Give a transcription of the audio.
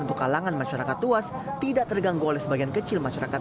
untuk kalangan masyarakat luas tidak terganggu oleh sebagian kecil masyarakat